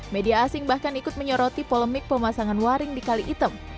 media asing bahkan ikut menyoroti polemik pemasangan waring di kali item